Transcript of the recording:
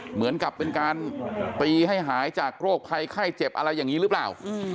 เหมือนกับเป็นการตีให้หายจากโรคภัยไข้เจ็บอะไรอย่างนี้หรือเปล่า